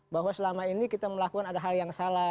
bahwa selama ini kita melakukan ada hal yang salah